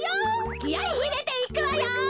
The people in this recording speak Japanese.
きあいいれていくわよ！